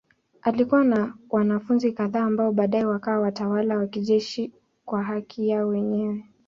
Alikuwa na wanafunzi kadhaa ambao baadaye wakawa watawala wa kijeshi kwa haki yao wenyewe.